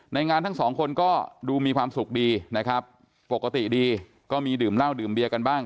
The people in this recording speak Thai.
งานทั้งสองคนก็ดูมีความสุขดีนะครับปกติดีก็มีดื่มเหล้าดื่มเบียกันบ้าง